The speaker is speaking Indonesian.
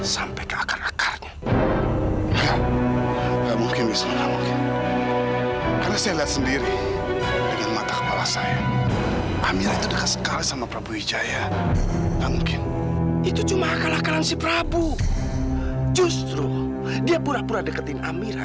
sampai jumpa di video selanjutnya